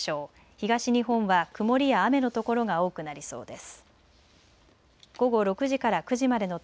東日本は曇りや雨のところが多くなりそうです。